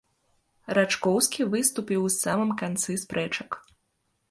Рачкоўскі выступіў у самым канцы спрэчак.